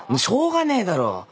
しょうがねえだろ。